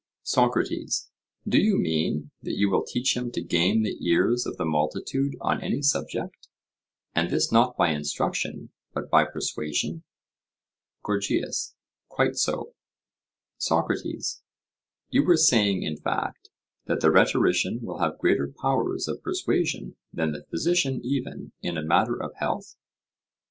SOCRATES: Do you mean that you will teach him to gain the ears of the multitude on any subject, and this not by instruction but by persuasion? GORGIAS: Quite so. SOCRATES: You were saying, in fact, that the rhetorician will have greater powers of persuasion than the physician even in a matter of health?